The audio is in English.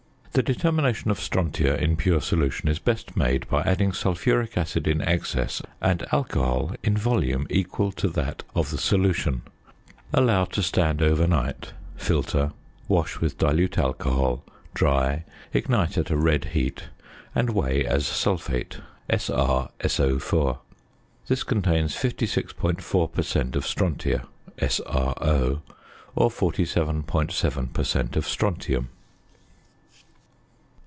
The determination of strontia in pure solutions is best made by adding sulphuric acid in excess and alcohol in volume equal to that of the solution. Allow to stand overnight, filter, wash with dilute alcohol, dry, ignite at a red heat, and weigh as sulphate (SrSO_). This contains 56.4 per cent. of strontia (SrO); or 47.7 per cent. of strontium.